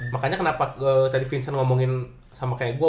makanya kenapa tadi vincent ngomongin sama kayak gue